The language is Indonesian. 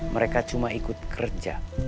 mereka cuma ikut kerja